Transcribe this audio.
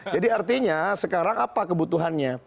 jadi artinya sekarang apa kebutuhannya